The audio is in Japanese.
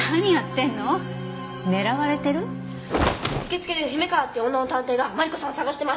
受付で姫川っていう女の探偵がマリコさん捜してました。